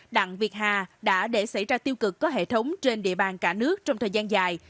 đặng việt hà đã để xảy ra tiêu cực có hệ thống trên địa bàn cả nước trong thời gian dài